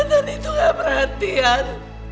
tante itu gak perhatian